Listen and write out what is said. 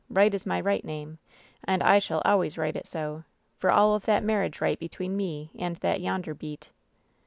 Wright is my right name, and I shall always write it so, for all of that marriage rite between me and that yonder beat."